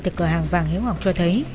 thì cửa hàng vàng hiếu học cho thấy